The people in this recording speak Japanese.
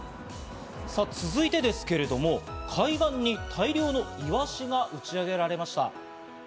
さあ、続いてですけれども、海岸に大量のイワシが打ちあげられました。